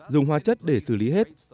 dùng hóa chất để xử lý hết